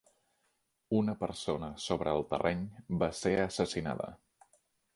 Una persona sobre el terreny va ser assassinada.